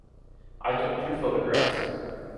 I took two photographs.